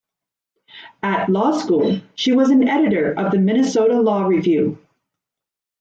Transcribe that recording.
At law school she was an editor of the Minnesota Law Review.